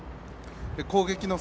攻撃の際